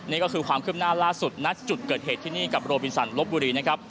นี่ก็คือความคืบหน้าล่าสุดณจุดเกิดเหตุที่นี่กับโรบินสันลบบุรีนะครับ